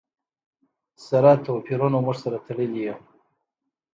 سره توپیرونو موږ سره تړلي یو.